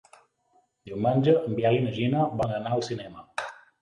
Diumenge en Biel i na Gina volen anar al cinema.